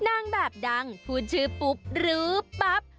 นางแบบดังพูดชื่อปุ๊บรู้ปั๊บ